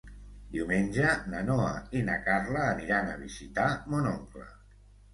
Diumenge na Noa i na Carla aniran a visitar mon oncle.